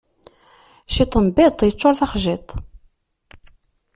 Ciṭ n biṭ iččuṛ taxjiḍt.